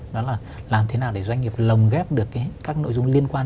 đó là làm thế nào để doanh nghiệp lồng ghép được các nội dung liên quan